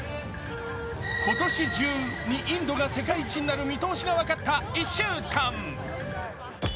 今年中にインドが世界一になる見通しが分かった１週間。